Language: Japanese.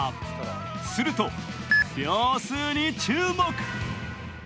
すると秒数に注目。